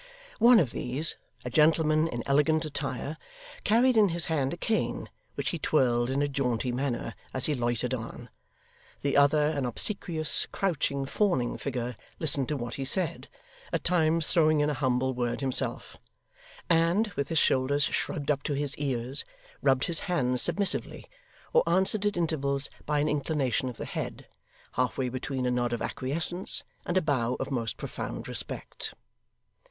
One of these, a gentleman in elegant attire, carried in his hand a cane, which he twirled in a jaunty manner as he loitered on; the other, an obsequious, crouching, fawning figure, listened to what he said at times throwing in a humble word himself and, with his shoulders shrugged up to his ears, rubbed his hands submissively, or answered at intervals by an inclination of the head, half way between a nod of acquiescence, and a bow of most profound respect.